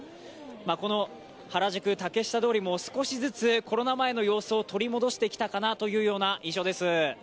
この原宿・竹下通り、少しずつコロナ前の様子取り戻してきたかなというような印象です。